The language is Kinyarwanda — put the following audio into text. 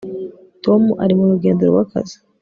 Tom ari mu rugendo rwakazi